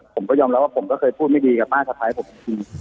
ผมก็ยอมรับว่าผมก็เคยพูดไม่ดีกับป้าสะพ้ายผมจริง